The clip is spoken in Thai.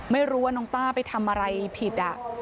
ไม่รู้ว่าน้องต้าไปทำอะไรผิด